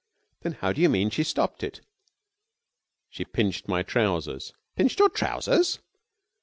"Then how do you mean she stopped it?" "She pinched my trousers!" "Pinched your trousers?"